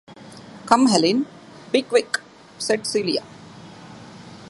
"Come, Helene, be quick," said Celia.